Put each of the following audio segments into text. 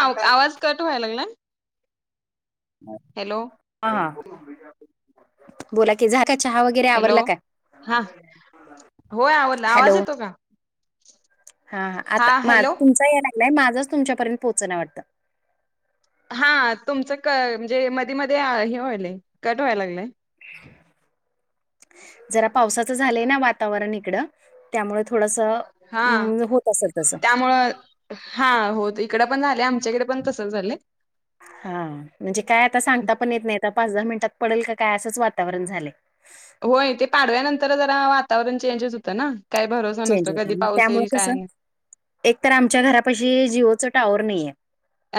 आव आवाज कट व्हायला लागलाय. नाही. हॅलो. हां. बोला की, झाला काय चहा वगैरे हॅलो आवरल काय? हा होय आवडला आवाज हॅलो. येतो का हां हां. हा आता मा हॅलो तुमचा याय लागलाय, माझाच तुमच्यापर्यंत पोहचना वाटत? हा, तुमच क म्हणजे मध्ये मध्ये हे व्हायलय, कट व्हायला लागलय. जरा पावसाच झालय ना, वातावरण इकड. त्यामुळ थोडस, होत असल तस. त्यामुळ हा, हो इकड पण झाले आमच्याकड पण तसच झालय. हां. म्हणजे काय आता सांगता पण येत नाही. आता पाच दहा मिंनटात पडेल का काय, असच वातावरण झालय. होय ते पाडव्यानंतर जरा वातावरण चेंजच होत ना, काय भरोसा. चेंज नसतो होत कधी नाही मग पाऊस त्यामुळ येईल कस, काय नाही एक तर आमच्या घरापशी जिओच टावर नाहीये.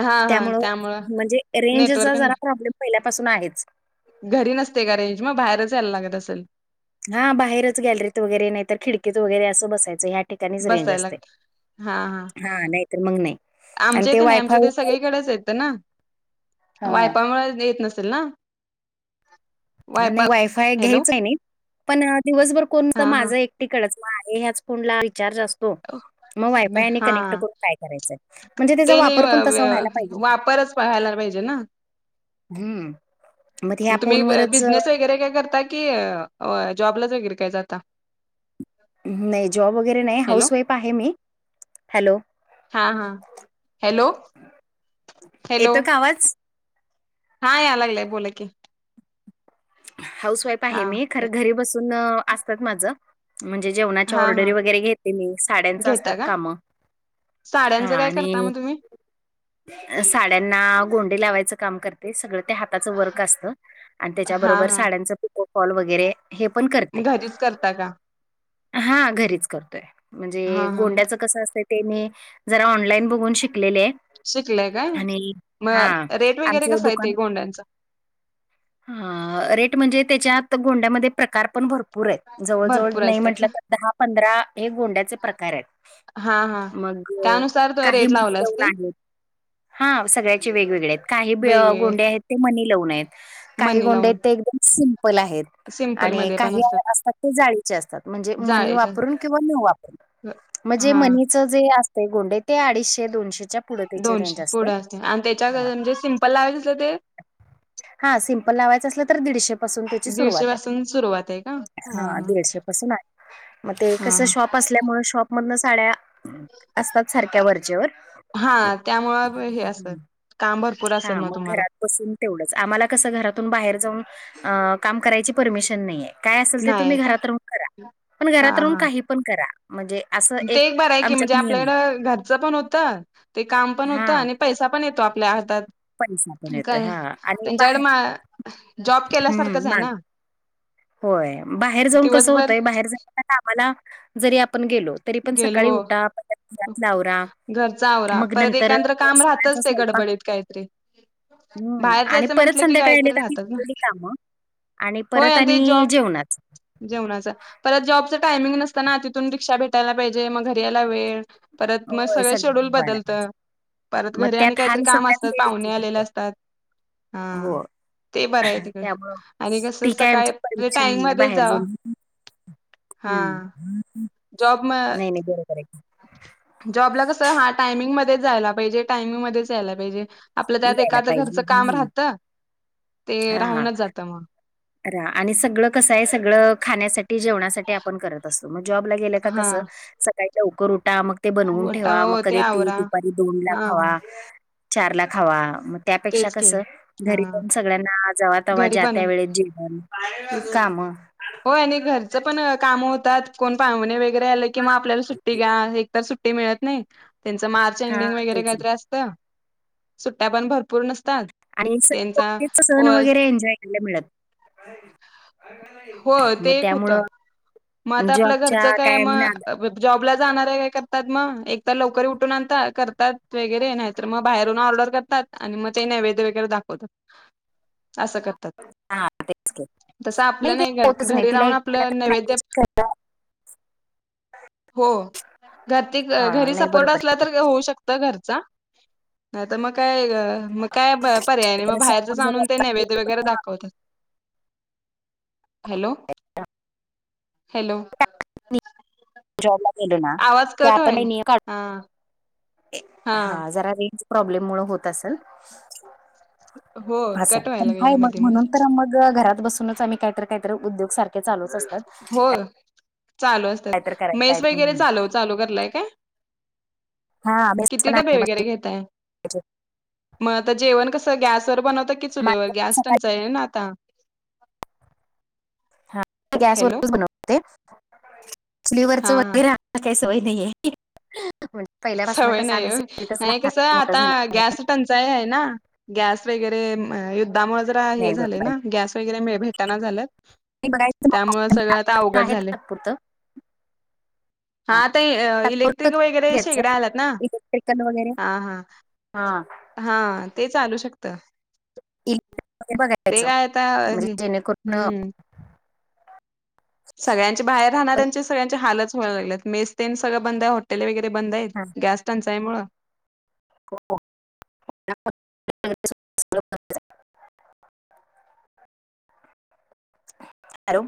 हा हा त्यामुळ, त्यामुळं म्हणजे नेटवर्क रेंजचा जरा नाही, प्रॉब्लेम पहिल्यापासून आहेच. घरी नसते का रेंज मग बाहेरच जायला लागत असल. हां. बाहेरच गॅलरीत वगैरे, नाही तर खिडकीत वगैरे अस बसायच. ह्या ठिकाणीच रेंज बसायला असते. लागत हा. नाहीतर मग नाही आणि आमच्या ते इथ नाही, आमच्या वायफाय इथ सगळीकडेच येत ना. हा. वायपामुळ येत नसेल ना? वायपा नाही, वायफाय हॅलो घ्यायच आहे नाही पण दिवसभर कोण हा तर हा माझ एक तिकडच मग आहे ह्याच फोन ला रिचार्ज असतो, मग वायफाय आणि कनेक्ट करून काय करायचय? तेनी [unintelligible] ना. वापरच व्हायला पाहिजे ना. हम्म, मग ते ह्या फोनवरच बिझनेस वगैरे काय करता की, जॉबलाच वगैरे काय जाता? नाही, जॉब वगैरे नाही. हॅलो हाऊस वाईफ आहे मी. हॅलो हां हां, हॅलो. येतो का आवाज? हां, याय लागलाय बोला की. हाऊस वाईफ हा आहे मी, खर घरी बसून असतात माझ. म्हणजे जेवणाच्या हा ऑर्डरी हा वगैरे घेते मी, साड्यांच असतात घेता का काम. हां, साड्यांचं काय करता आणि मग तुम्ही साड्यांना गोंडे लावायच काम करते, सगळ ते हाताच वर्क असत. आणि हा त्याच्याबरोबर हा साड्यांच पीको, फॉल वगैरे हे पण करते. मग घरीच करता का हां, घरीच करतोय. म्हणजे हा हा मग गोंड्याच कस असतय. ते, मी जरा ऑनलाईन बघून शिकलेले. शिकलंय काय आणि हां, आमच दुकान गोंड्यांच. रेट म्हणजे त्याच्यात गोंड्यामध्ये प्रकार पण भर भरपूर आहेत. जवळ जवळ भरपूर नाही असतात म्हंटल का तर दहा पंधरा हे गोंड्याचे प्रकार आहेत. हा हा मग त्यानुसार तो काही रेट [inaudible] मुलं लावला येऊन असतील आहेत. हा, सगळ्याचे वेगवेगळे आहेत काही ब वेगवेगळे गोंडे्या आहेत. ते मनी लावूनय काही मणी गोंडे लावून आहेत ते एकदम सिमपल आहेत. सिम्पल आणि मध्ये पण काही असतात ते जाळीचे असतात म्हणजे मनी जाळीच्या वापरून किंवा न वापरून. म्हणजे हा मनीच जे असत गोंडे ते अडीचशे दोनशेच्या. पुढे त्याची रेंज दोनशे पुढं असते आणि त्याच्या म्हणजे सिंपल लावचं असलं ते. हा, सिम्पल लावायचं असलं तर दीडशे. पासून त्याची दीडशे सुरुवात आहे पासून सुरुवात आहे का हा दीडशे पासून आहे. मग ते हा कस हा शॉप असल्यामुळे शॉपमधन साड्या. असतात सारख्या वरचेवर. कांबर. हा, मग घरात बसून. तेवढंच आम्हाला कसं घरातून बाहेर जाऊन अ काम करायची परमिशन नाहीय. काय असेल ते नाही आहे तुम्ही का घरात राहून करा पण हा घरात राहून हा काही पण करा म्हणजे अस. ते एक बरं आहे की, म्हणजे आपल्याकडं घरचं पण होतं ते काम पण होतं हा आणि. पैसा पण येतो आपल्या हातात. पैसा पण येतोय काय हा आणि त्यांच्याकडे म बाहेर जॉब हम्म केल्यासारखंच आहे माग ना. होय बाहेर जाऊन कसं दिवसभर होतंय बाहेर जाण्या कामाला जरी आपण गेलो. तरी पण गेले सकाळी हो उठा परत घरातल आवरा घरचा आवरा मग परत नंतर एकंद्र काम राहतच सगळ्यांचा ते स्वयंपाक गडबडीत कायच. तरी हम्म बाहेर आणि जायचं परत म्हणलं की, काय संध्याकाळी तर आले का ती राहतच ना केलेली कामं आणि होय. परत आणि जॉब जेवणाच जेवणाचं परत जॉबच टायमिंग नसतं ना तिथून रिक्षा भेट''--'' टायला पाहिजे मग घरी यायला वेळ परत मग सगळं शेड्यूल बदलतं. परत मग घरी आणि त्यात काहीतरी हाल काम सगळ्यात असतात लेडीजचे पाहुणे आलेले घेतात. असतात हा. हो. ते बरं आहे तिकडे त्यामुळं आणि कस ती काय आमच्या सकाळी परमिशन टाईम नाहीये मध्येच बाहेर जाव. जाऊन हम्म, जॉब म''--'' आणि गोड करायचं. जॉबला कसं हा टायमिंगमध्येच जायला पाहिजे टायमिंगमध्येच यायला पाहिजे. आपलं आहे त्यात यायला एखाद पाहिजे घरचं काम हम्म राहतं ते राहूनच जातं मग. रा आणि सगळं कसं आहे सगळं खाण्यासाठी जेवणासाठी आप''--'' पण करत असतो मग जॉबला गेलं का हा कस सकाळी लवकर उठा मग. ते बनवून गोटा ठेवा मग हो कधी ते आवरा दुपारी दोन ला हा खावा चार ला खावा. त्यापेक्षा तेच की कस हा घरी जा सगळ्यां जात घरी ज्या बन त्या वे जेव का, हा मग, होय आणि घरचं पण कामं होतात कोण पाणे वगैरे आले की, मग आपल्याला सुट्टी घ्या एकतर सुट्टी. ते मिळत नाही त्यांच मार्च हा एंडिंग वगैरे तेच ना. काहीत असत. त सुट्ट्या पण भरपूर नसतात. त्यांचा आणितीच [unintelligible] सण वगैरे एन्जॉय करायला मिळत. हो नाही. ते मग एक त्यामुळं होतं मग आता आपल्या जॉबच्या घरचं काय कायमी नादात मग. जॉबला जाणार काय करतात मग एक तर लवकरी उठून आणता करतात वगैरे नाहीत मग बाहेरून ऑर्डर कर''--'' तात आणि मग ते नैवेद्य वगैरे दाखवतात असं करतात. हा तेच की, तसं नाही आपलं ते. घर होतच नाही घरी [inaudible] तिला राहून एक. आपलं नैवेद्य हो घरते हा घरी नाही सपोर्ट बरोबर असला आहे की. तर. त होऊ शकत घरचा मग काय. काय पर्याय नाही. मग तर समोर बाहेरच जरी आणून ते नैवद्य वगैरे आपण दाखवत्यात. Hello hello. जॉबला गेलो ना. आवाज की कट आपण हे व्हायला नियम काढून हा हा जरा नेटच प्रॉब्लेम मुळे होत असल. हो असं कट हाय. पण व्हायला हाय लागलाय मग मध्ये म्हणून मध्ये तर मग घरात बसूनच आम्ही काहीतर काहीतर उद्योग सारख. ते चालूच असतात. हो चालू असतात. काहीतरी करायचं मेस वगैरे आहे चालव चालू करलाय काय? हा बेस किती पण डबे आहे वगैरे माझी घेताय? मग आता जेवण कस गॅसवर बनवतं की चुलीवर? माझं गॅस सकाळी टंचाई आहे ना आता. गॅस हॅलो वरच बनवते. चुलीवरच हा हा वगैरे मला काय सवय नाही आहे. म्हण सवय नाही होय. नाही कस मोठं आता झालं गॅस टंचाई आहे ना. गॅस वगैरे युद्धामुळे जरा हे नाही झाले बरोबर आहे. ना. गॅस वगैरे मिळ भेटना झाल्यात. हे बघायचं मग त्यामुळे सगळं आता अवघड आहे झाले. तात्पुरतं हा आता इलेक्ट्रिक वगैरे. शेगड्या आल्यात ना इलेक्ट्रिक वगैरे? हा हा हा. हा, ते चालू शकत. इलेक्ट्रिकल ते बघायचं काय आता म्हणजे हे, जेणेकरून हम्म. सगळ्यांचे बाहेर पण राहणाऱ्यांचे सगळ्यांचे हालच व्हाय लागल्यात. मेस तेन सगळं बंद. हॉटेले वगैरे बंद आहेत हा, गॅस टंचाइ मूळ. हो. हॅलो